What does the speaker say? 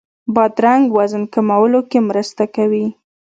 بادرنګ وزن کمولو کې مرسته کوي.